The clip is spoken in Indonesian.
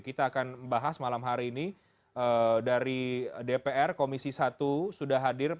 kita akan bahas malam hari ini dari dpr komisi satu sudah hadir